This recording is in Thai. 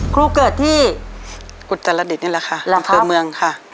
ครูเกิดที่อุตรฐรดิตนี่แหละค่ะหรอครับอำเภอเมืองค่ะ